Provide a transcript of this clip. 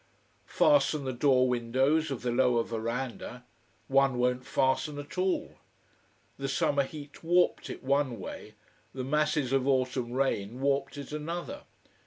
Fasten the door windows of the lower veranda. One won't fasten at all. The summer heat warped it one way, the masses of autumn rain warped it another.